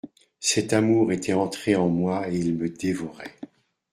«Cet amour était entré en moi et il me dévorait.